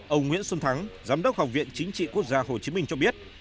ông nguyễn xuân thắng giám đốc học viện chính trị quốc gia hồ chí minh cho biết